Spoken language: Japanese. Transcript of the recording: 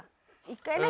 １回ね。